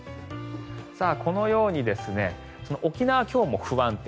このように沖縄、今日も不安定。